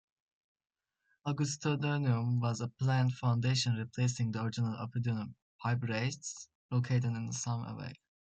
Augustodunum was a planned foundation replacing the original oppidum Bibracte, located some away.